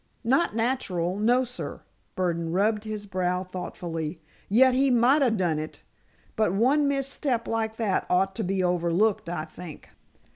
"Not natural, no, sir." Burdon rubbed his brow thoughtfully. "Yet he might 'a' done it. But one misstep like that ought to be overlooked, I think."